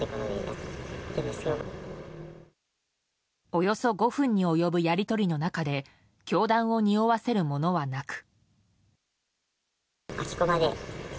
およそ５分に及ぶやり取りの中で教団をにおわせるものはなく。